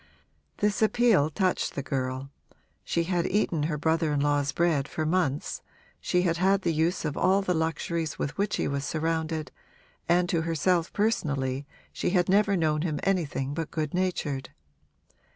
This appeal touched the girl; she had eaten her brother in law's bread for months, she had had the use of all the luxuries with which he was surrounded, and to herself personally she had never known him anything but good natured.